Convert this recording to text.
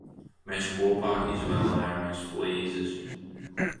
Mēs kopā izvēlējāmies flīzes.